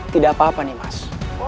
tidak apa apa nih mas